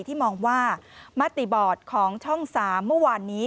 ที่มองว่ามติบอร์ดของช่อง๓เมื่อวานนี้